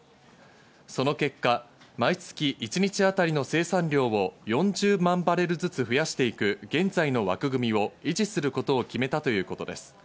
その結果、毎月一日当たりの生産量を４０万バレルずつ増やしていく現在の枠組みを維持することを決めたということです。